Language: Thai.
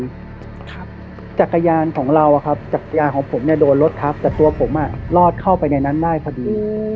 จักรยานของเราอะครับจักรยานของผมเนี่ยโดนรถทับแต่ตัวผมอ่ะรอดเข้าไปในนั้นได้พอดี